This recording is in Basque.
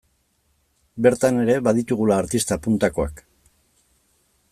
Bertan ere baditugula artista puntakoak.